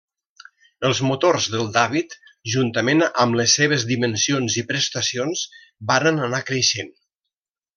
Els motors dels David, juntament amb les seves dimensions i prestacions, varen anar creixent.